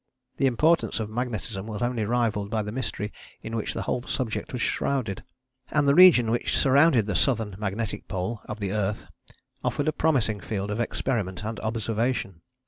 The importance of magnetism was only rivalled by the mystery in which the whole subject was shrouded: and the region which surrounded the Southern Magnetic Pole of the earth offered a promising field of experiment and observation.